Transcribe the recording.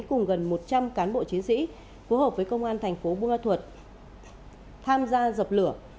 cùng gần một trăm linh cán bộ chiến sĩ phù hợp với công an thành phố bunga thuột tham gia dập lửa